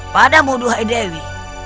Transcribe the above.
padamu duhai dewi